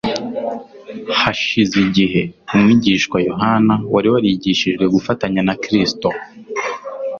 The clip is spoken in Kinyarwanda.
Hashize igihe, umwigishwa Yohana wari warigishijwe gufatanya na Kristo